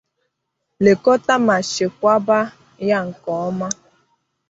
lekọta ma chekwaba ya nke ọma